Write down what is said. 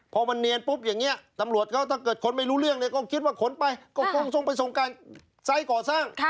พอมันเนียนปุ๊บอย่างนี้ตำรวจเขาถ้าเกิดคนไม่รู้เรื่องเนี่ยก็คิดว่าขนไปก็คงทรงไปส่งการไซส์ก่อสร้าง